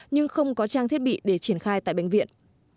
nhưng không có trang thiết bị để triển khai tại bệnh viện